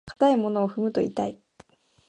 硬いものを踏むと痛い。